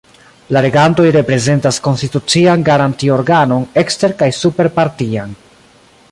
La regantoj reprezentas konstitucian garanti-organon ekster- kaj super-partian.